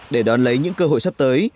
để đón lấy những cơ hội sắp tới